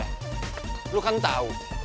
eh lo kan tau